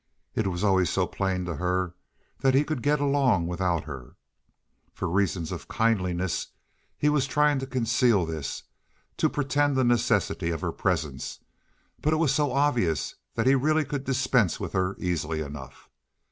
It was always so plain to her that he could get along without her. For reasons of kindliness he was trying to conceal this, to pretend the necessity of her presence, but it was so obvious that he really could dispense with her easily enough.